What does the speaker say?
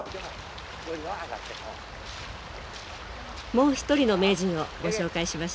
もう一人の名人をご紹介しましょう。